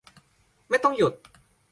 ไม่ต้องหยุด